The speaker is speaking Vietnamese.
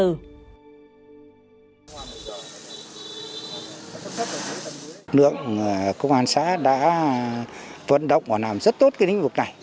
lực lượng công an xã đã vận động và làm rất tốt cái lĩnh vực này